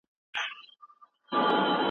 څه شی د میني په واسطه زموږ دردونه کموي؟